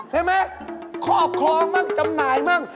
เข้าออกคล้องบ้างจำหน่ายบ้าง